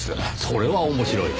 それは面白い！